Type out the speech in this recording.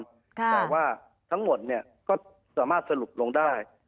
แต่ว่าทั้งหมดเนี่ยก็สามารถสรุปลงได้